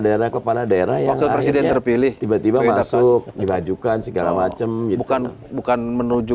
daerah kepala daerah yang akhirnya tiba tiba masuk dibajukan segala macam bukan bukan menuju